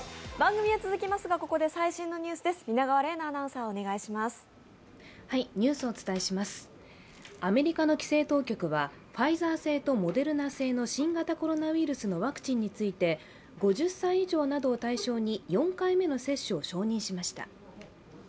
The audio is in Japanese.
アメリカの規制当局はファイザー製とモデルナ製の新型コロナウイルスのワクチンについて５０歳以上などを対象に４回目の接種を承認しました。